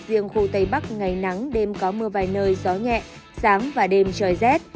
riêng khu tây bắc ngày nắng đêm có mưa vài nơi gió nhẹ sáng và đêm trời rét